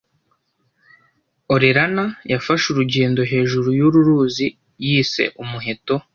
Orellana yafashe urugendo hejuru yuru ruzi yise umuheto